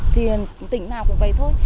thì tỉnh nào cũng vậy thôi